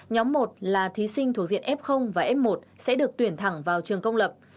nhóm một là thí sinh thuộc diện f và f một sẽ được tuyển thẳng vào trường công lập